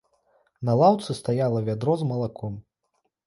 На лаўцы стаяла вядро з малаком.